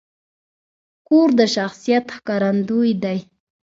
کور د شخصیت ښکارندوی دی.